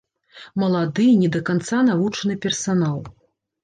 Малады, не да канца навучаны персанал.